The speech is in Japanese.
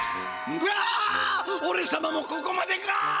おれさまもここまでか！